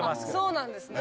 そうなんですね。